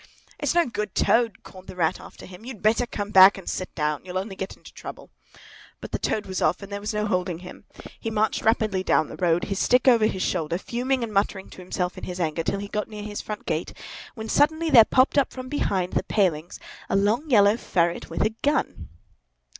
"It's no good, Toad!" called the Rat after him. "You'd better come back and sit down; you'll only get into trouble." But the Toad was off, and there was no holding him. He marched rapidly down the road, his stick over his shoulder, fuming and muttering to himself in his anger, till he got near his front gate, when suddenly there popped up from behind the palings a long yellow ferret with a gun.